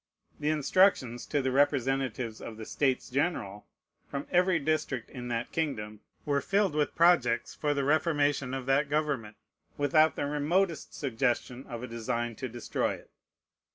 The instructions to the representatives to the States General, from every district in that kingdom, were filled with projects for the reformation of that government, without the remotest suggestion of a design to destroy it.